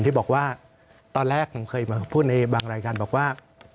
ที่บอกว่าตอนแรกผมเคยมาพูดในบางรายการบอกว่า